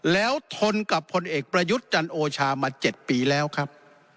แล้วทนกับพลเอกประยุทธ์จันโอชามา๗ปีแล้วครับ